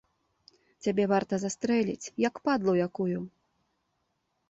Цябе варта застрэліць, як падлу якую!